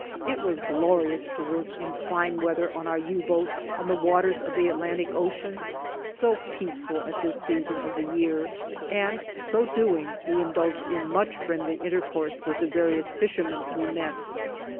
It was glorious to work in fine weather on our U boat on the waters of the Atlantic Ocean, so peaceful at this season of the year, and so doing we indulged in much friendly intercourse with the various fishermen we met.